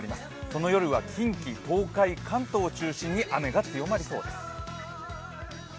その夜は近畿、東海、関東を中心に雨が強まりそうです。